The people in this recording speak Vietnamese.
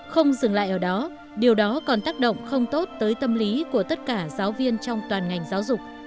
không dừng lại ở đó điều đó còn tác động không tốt tới tâm lý của tất cả giáo viên trong toàn ngành giáo dục